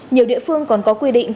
nhiều địa phương còn có quy định